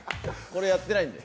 これやってないんで。